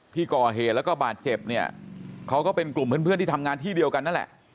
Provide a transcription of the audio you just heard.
ที่ก่อเหตุแล้วก็บาดเจ็บเนี่ยเขาก็เป็นกลุ่มเพื่อนที่ทำงานที่เดียวกันนั่นแหละ